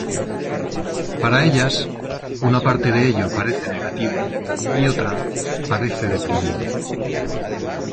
Para ellas una parte de ello parece negativo y otra parece deprimente.